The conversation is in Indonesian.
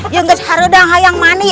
yang ke sarudang yang mandi